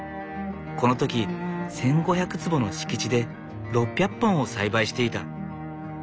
この時１，５００坪の敷地で６００本を栽培していた。